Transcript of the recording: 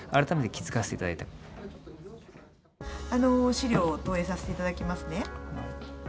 資料を投影させていただきますね。